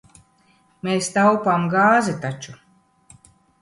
Mēs taupām gāzi taču.